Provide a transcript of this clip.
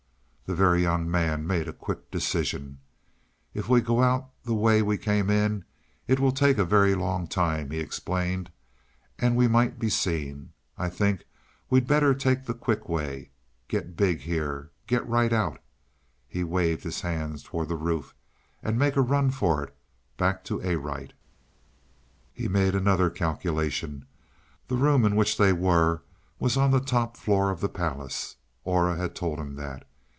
The Very Young Man make a quick decision. "If we go out the way we came, it will take a very long time," he explained. "And we might be seen. I think we'd better take the quick way; get big here get right out," he waved his hands towards the roof, "and make a run for it back to Arite." He made another calculation. The room in which they were was on the top floor of the palace; Aura had told him that.